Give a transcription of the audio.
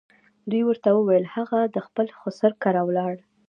دوی ورته وویل هغه د خپل خسر کره ولاړ.